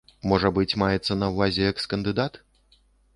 Можа быць, маецца на ўвазе экс-кандыдат?